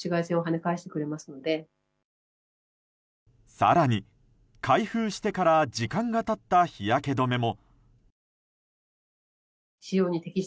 更に、開封してから時間が経った日焼け止めも。